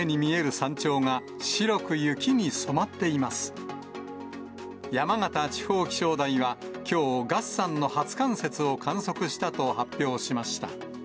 山形地方気象台は、きょう、月山の初冠雪を観測したと発表しました。